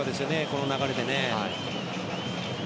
この流れで。